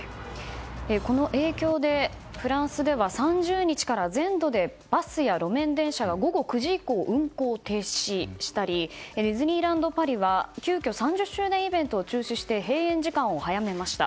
この影響でフランスでは３０日から全土でバスや路面電車が午後９時以降、運転を停止したりディズニーランド・パリは急きょ３０周年イベントを中止して閉園時間を早めました。